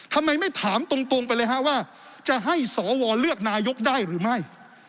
ทำไมไม่ถามตรงไปเลยฮะว่าจะให้สวเลือกนายกได้หรือไม่